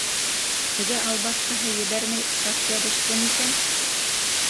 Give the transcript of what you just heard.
Теге албаҫтыһы ебәрмәй сат йәбеште микән?